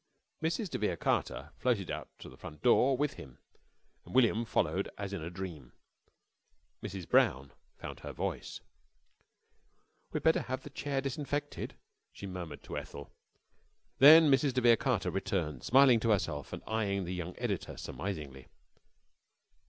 Mrs. de Vere Carter floated out to the front door with him, and William followed as in a dream. Mrs. Brown found her voice. "We'd better have the chair disinfected," she murmured to Ethel. Then Mrs. de Vere Carter returned smiling to herself and eyeing the young editor surmisingly.